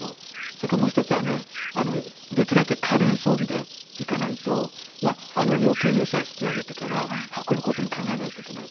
それからもう１つはできるだけ軽い装備で行かないと要救助者を引き上げてから運ぶことも考えないといけない